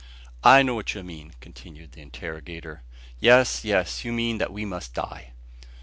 "I know what you mean," continued the interrogator. "Yes, yes, you mean that we must die!"